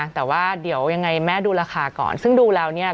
แต่ว่าเดี๋ยวยังไงแม่ดูราคาก่อนซึ่งดูแล้วเนี่ย